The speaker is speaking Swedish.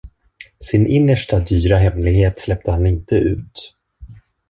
Sin innersta dyra hemlighet släppte han inte ut.